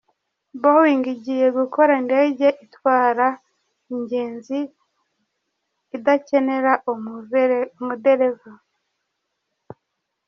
Boeing igiye gukora indege itwara ingenzi idakenera umudereva.